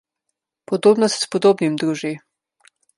Podobno se s podobnim druži.